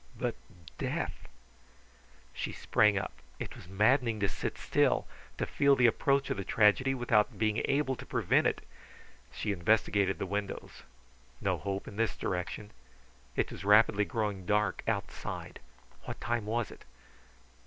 But death! She sprang up. It was maddening to sit still, to feel the approach of the tragedy without being able to prevent it. She investigated the windows. No hope in this direction. It was rapidly growing dark outside. What time was it?